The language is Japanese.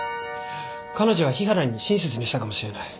彼女は日原に親切にしたかもしれない。